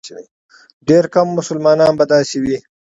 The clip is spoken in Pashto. ډېر کم مسلمانان به داسې وي.